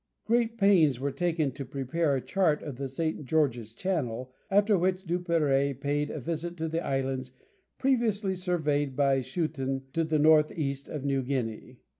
Great pains were taken to prepare a chart of St. George's Channel, after which Duperrey paid a visit to the islands previously surveyed by Schouten to the north east of New Guinea.